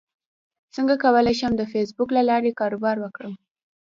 څنګه کولی شم د فېسبوک له لارې کاروبار وکړم